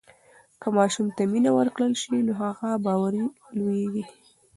که ماشوم ته مینه ورکړل سي نو هغه باوري لویېږي.